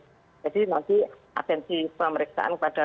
jadi nanti atensi pemeriksaan kepada